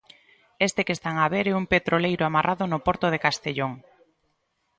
Este que están a ver é un petroleiro amarrado no porto de Castellón.